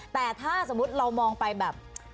แต่ถ้าสมมุติเรามองไปแบบ